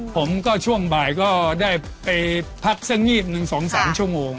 ผมก็ช่วงบ่ายก็ได้ไปพักซะงีบ๑๒๓ชั่วโมง